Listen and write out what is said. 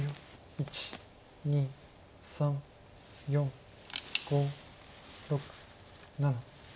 １２３４５６７。